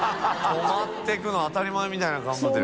泊まっていくの当たり前みたいな顔になってる。